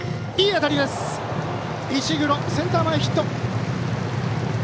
石黒、センター前ヒット。